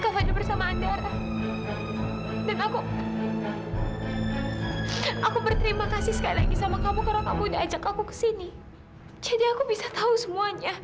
fadil gak akan pernah melukai kamu